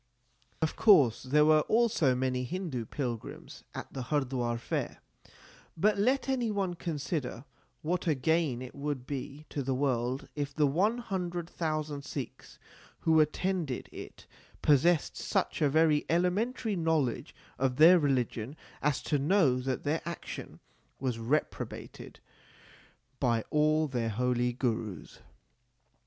Of course there were also many Hindu pilgrims at the Hardwar fair, but let any one consider what a gain it would be to the world if the one hundred thousand Sikhs l who attended it possessed such a very elementary knowledge of their religion as to know that their action was reprobated by all their holy Gurus.